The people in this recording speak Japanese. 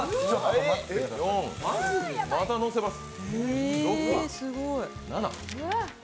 まだのせます？